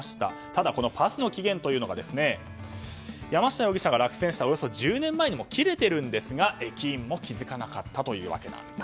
ただ、このパスの期限というのが山下容疑者が落選したおよそ１０年前に切れているんですが駅員も気づかなかったというわけなんです。